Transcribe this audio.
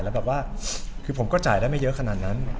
แล้วแบบว่าคือผมก็จ่ายได้ไม่เยอะขนาดนั้น